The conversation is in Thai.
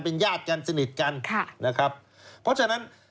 เป็นญาติกันสนิทกันค่ะนะครับเพราะฉะนั้น